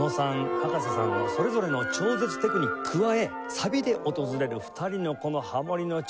葉加瀬さんのそれぞれの超絶テクに加えサビで訪れる２人のハモリの調和。